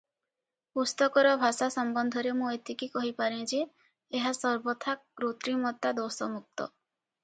ପୁସ୍ତକର ଭାଷା ସମ୍ବନ୍ଧରେ ମୁଁ ଏତିକି କହିପାରେଁ ଯେ, ଏହା ସର୍ବଥା କୃତ୍ରିମତା ଦୋଷମୁକ୍ତ ।